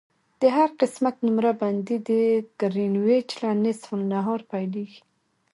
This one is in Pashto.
د هر قسمت نمره بندي د ګرینویچ له نصف النهار پیلیږي